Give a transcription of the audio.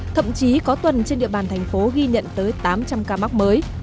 thậm chí có tuần trên địa bàn thành phố ghi nhận tới tám trăm linh ca mắc mới